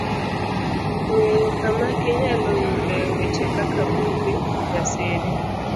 ng'eyo kama inyalo yudoe weche kaka buge, gasede